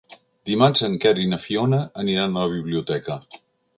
Dimarts en Quer i na Fiona aniran a la biblioteca.